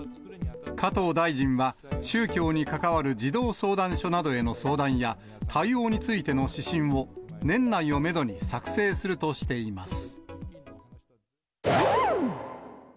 加藤大臣は、宗教に関わる児童相談所などへの相談や対応についての指針を、年内をメドに作成するとしています。